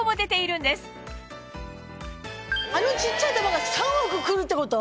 あの小っちゃい弾が３億来るってこと？